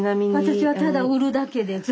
私はただ売るだけです。